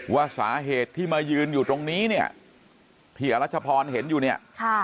ว่าสาเหตุที่มายืนอยู่ตรงนี้เนี่ยที่อรัชพรเห็นอยู่เนี่ย